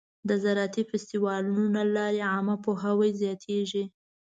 د زراعتي فستیوالونو له لارې عامه پوهاوی زیاتېږي.